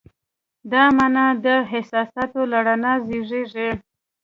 دا مانا د احساساتو له رڼا زېږېږي.